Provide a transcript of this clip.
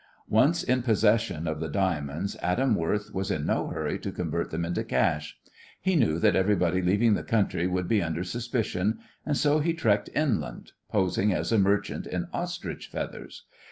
Once in possession of the diamonds Adam Worth was in no hurry to convert them into cash. He knew that everybody leaving the country would be under suspicion, and so he trekked inland, posing as a merchant in ostrich feathers.